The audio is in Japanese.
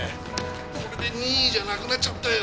これで任意じゃなくなっちゃったよ。